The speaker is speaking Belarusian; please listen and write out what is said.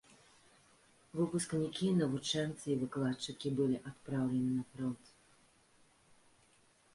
Выпускнікі, навучэнцы і выкладчыкі былі адпраўленыя на фронт.